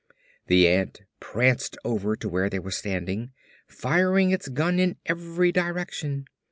The ant pranced over to where they were standing, firing its gun in every direction.